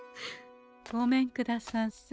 ごめんくださんせ。